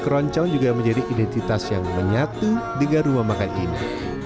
keroncong juga menjadi identitas yang menyatu dengan rumah makan ini